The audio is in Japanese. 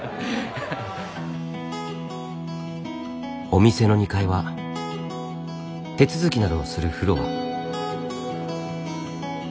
お店の２階は手続きなどをするフロア。